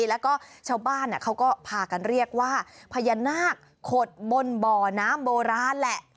แล้วก็ชาวบ้านเขาก็พากันเรียกว่าพญานาคขดบนบ่อน้ำโบราณแหละ